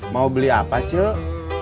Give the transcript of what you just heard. mau beli apa cek